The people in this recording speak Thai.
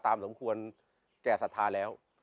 ตามสมควรแก่ศทาแล้ว